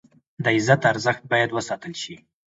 د عزت ارزښت باید وساتل شي.